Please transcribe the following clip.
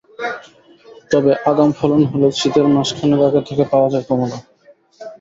তবে আগাম ফলন হলে শীতের মাস খানেক আগে থেকে পাওয়া যায় কমলা।